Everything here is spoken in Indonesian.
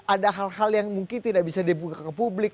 ada hal hal yang mungkin tidak bisa dibuka ke publik